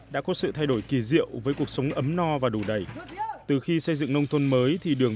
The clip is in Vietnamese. đã có sự thay đổi kỳ diệu với cuộc sống ấm no và đủ đầy từ khi xây dựng nông thôn mới thì đường